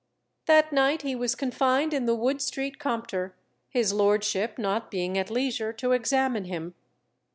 That night he was confined in the Wood Street Compter, his Lordship not being at leisure to examine him.